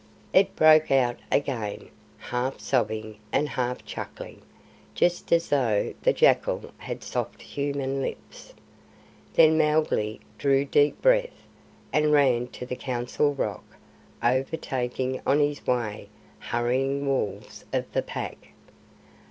It broke out again, half sobbing and half chuckling, just as though the jackal had soft human lips. Then Mowgli drew deep breath, and ran to the Council Rock, overtaking on his way hurrying wolves of the Pack.